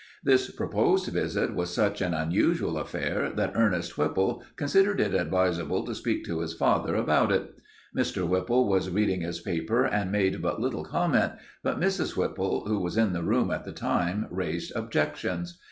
This proposed visit was such an unusual affair that Ernest Whipple considered it advisable to speak to his father about it. Mr. Whipple was reading his paper and made but little comment, but Mrs. Whipple, who was in the room at the time, raised objections.